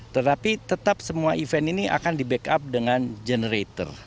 tetapi tetap semua event ini akan di backup dengan generator